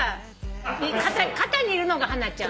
肩にいるのがハナちゃん？